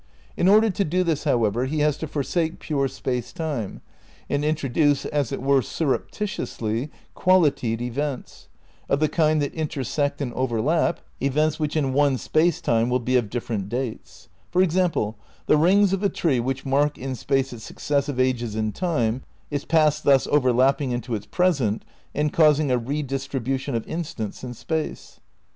In order to do this, however, he has to for sake pure Space Time, and introduce, as it were sur reptitiously, "qualitied events," of the kind that inter sect and overlap, events which in one Space Time will be of different dates ; for example, the rings of a tree which mark in space its successive ages in time, its past thus overlapping into its present and causing a redis tribution of instants in space.